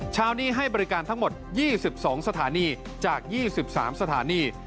เช้านี้ให้บริการทั้งหมด๒๒สถานีจาก๒๓สถานี